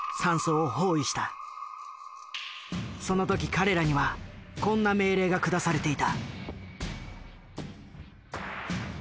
その時彼らにはこんな命令が下されていた。